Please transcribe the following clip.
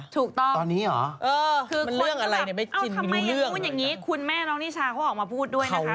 ถูกต้องคือความถูกกับเอ้าทำไมอย่างนู้นอย่างนี้คุณแม่น้องนิชาเขาออกมาพูดด้วยนะคะตอนนี้